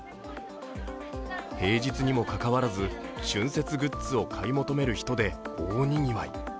平日にもかかわらず春節グッズを買い求める人で大にぎわい。